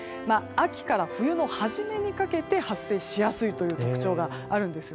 秋から冬の初めにかけて発生しやすいという特徴があるんです。